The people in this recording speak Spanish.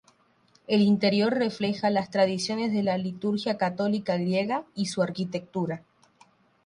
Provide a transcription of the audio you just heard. El interior refleja las tradiciones de la liturgia católica griega y su arquitectura.